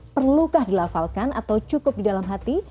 perlukah dilafalkan atau cukup di dalam hati